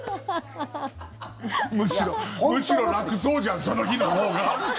むしろ楽そうじゃんその日のほうが。